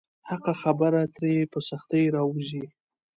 حقه خبره ترې په سختۍ راووځي.